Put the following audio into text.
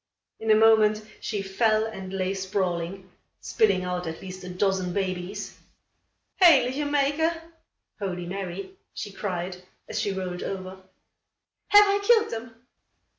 In a moment, she fell and lay sprawling, spilling out at least a dozen babies. "Heilige Mayke" (Holy Mary!), she cried, as she rolled over. "Have I killed them?"